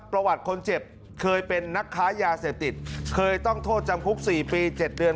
ประวัติคนเจ็บเคยเป็นนักค้ายาเสพติดเคยต้องโทษจำคุก๔ปี๗เดือน